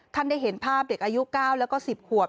ท่านได้เห็นภาพเด็กอายุ๙แล้วก็๑๐ขวบ